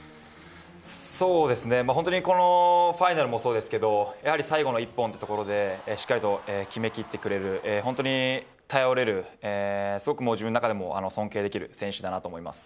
このファイナルもそうですけれどもやはり最後の一本というところで決めきってくれる、本当に頼れる、自分の中でも尊敬できる選手だなと思います。